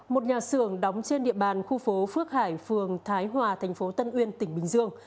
một nhà xưởng đóng trên địa bàn khu phố phước hải phường thái hòa thành phố tân uyên tỉnh bình dương